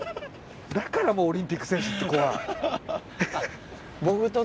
だからもうオリンピック選手って怖い。